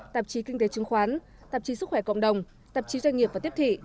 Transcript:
tạp chí kinh tế chứng khoán tạp chí sức khỏe cộng đồng tạp chí doanh nghiệp và tiếp thị